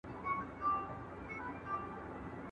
¬ پردى زوى نه زوى کېږي.